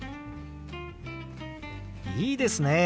いいですね。